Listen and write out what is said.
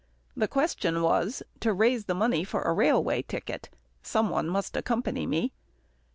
The question was, to raise the money for a railway ticket. Some one must accompany me.